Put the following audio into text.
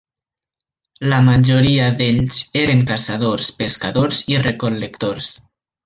La majoria d'ells eren caçadors, pescadors i recol·lectors.